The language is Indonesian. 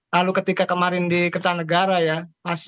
lalu ketika kemarin di kertanegara ya